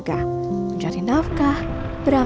dan iring kita hacer auf